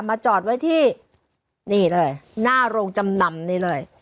จอดไว้ที่นี่เลยหน้าโรงจำนำนี้เลย